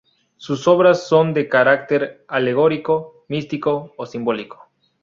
Sus obras son de carácter alegórico, místico o simbólico.